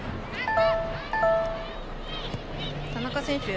田中選手